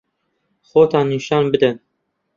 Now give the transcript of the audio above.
خۆتان نیشان بدەن.